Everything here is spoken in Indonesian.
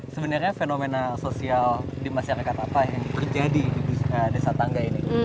sebenarnya fenomena sosial di masyarakat apa yang terjadi di desa tangga ini